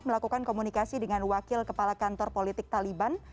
melakukan komunikasi dengan wakil kepala kantor politik taliban